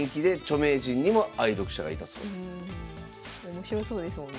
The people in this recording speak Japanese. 面白そうですもんね。